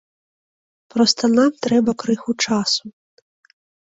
Проста нам трэба крыху часу.